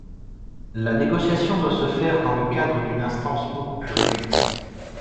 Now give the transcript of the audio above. La négociation doit se faire dans le cadre d’une instance beaucoup plus réduite.